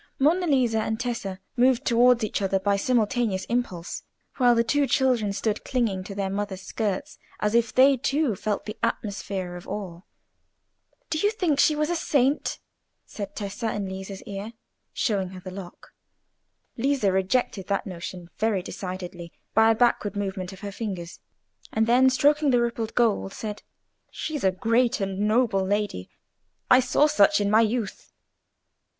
Monna Lisa and Tessa moved towards each other by simultaneous impulses, while the two children stood clinging to their mother's skirts as if they, too, felt the atmosphere of awe. "Do you think she was a saint?" said Tessa, in Lisa's ear, showing her the lock. Lisa rejected that notion very decidedly by a backward movement of her fingers, and then stroking the rippled gold, said— "She's a great and noble lady. I saw such in my youth."